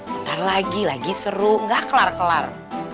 bentar lagi lagi seru gak kelar kelar